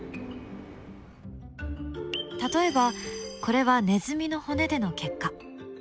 例えばこれはネズミの骨での結果。